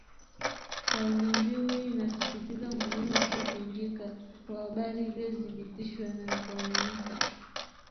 Kaulimbiu hii inasisitiza umuhimu usiopingika wa habari iliyothibitishwa na ya kuaminika